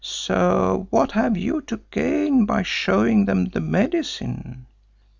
So what have you to gain by showing them the medicine?